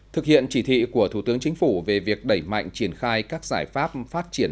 thực hiện chỉ thị của thủ tướng chính phủ về việc đẩy mạnh triển khai các giải pháp phát triển